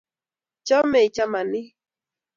chomei chamanik